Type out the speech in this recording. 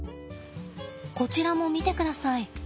こちらも見てください。